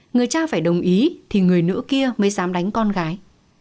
người cha phải đồng ý thì người nữ kia mới dám đánh con gái